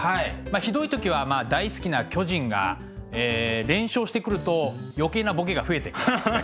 ひどい時はまあ大好きな巨人が連勝してくると余計なボケが増えてくみたいな。